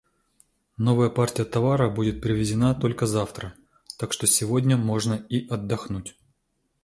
Новая партия товара будет привезена только завтра. Так что сегодня можно и отдохнуть.